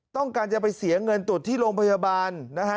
ต้องการจะไปเสียเงินตรวจที่โรงพยาบาลนะฮะ